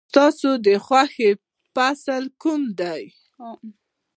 ستا د خوښې فصل کوم دی؟